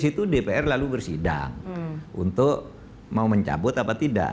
itu dpr lalu bersidang untuk mau mencabut apa tidak